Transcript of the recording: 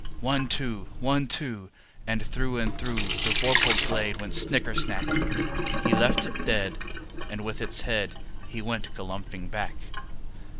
One, two! One, two! And through and through The vorpal blade went snicker snack! He left it dead, and with its head He went galumphing back.